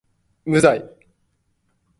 無罪